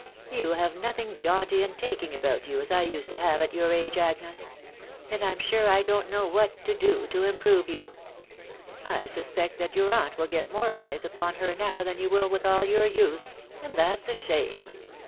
You have nothing jaunty and taking about you, as I used to have at your age, k%\&& *,«£&^^ T5S THC WIMlf BABIfABY. sure I don't know what to do to improve you* •••• I suspect that your aunt will get more eyes upon her now than you wifl with all your youth, — and that's a shame.